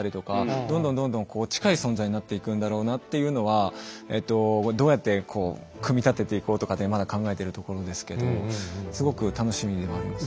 どんどんどんどん近い存在になっていくんだろうなっていうのはどうやって組み立てていこうとかってまだ考えてるところですけどすごく楽しみでもあります。